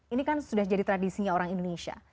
ini kan sudah jadi tradisinya orang indonesia